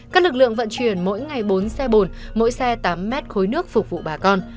các lực lượng vận chuyển mỗi ngày bốn xe bồn mỗi xe tám mét khối nước phục vụ bà con